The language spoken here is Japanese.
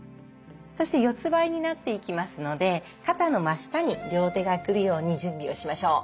そして四つばいになっていきますので肩の真下に両手が来るように準備をしましょう。